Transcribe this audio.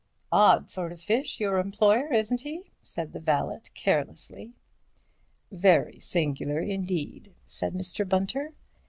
"Odd sort of fish, your employer, isn't he?" said the valet, carelessly. "Very singular, indeed," said Mr. Bunter.